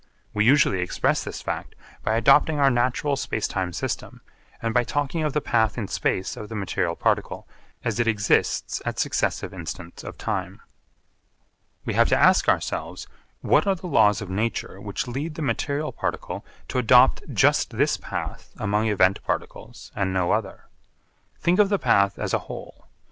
We usually express this fact by adopting our natural space time system and by talking of the path in space of the material particle as it exists at successive instants of time. We have to ask ourselves what are the laws of nature which lead the material particle to adopt just this path among event particles and no other. Think of the path as a whole.